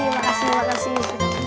makasih makasih makasih